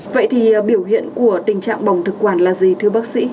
vậy thì biểu hiện của tình trạng bỏng thực quản là gì thưa bác sĩ